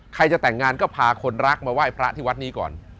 ใครจะแต่งงานก็พาคนรักมาไหว้พระที่วัดนี้ก่อน